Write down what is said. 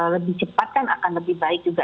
lebih cepat kan akan lebih baik juga